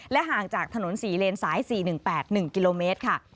ห่างจากถนน๔เลนสาย๔๑๘๑กิโลเมตรค่ะ